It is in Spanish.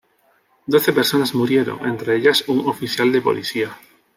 Doce personas murieron, entre ellas un oficial de policía.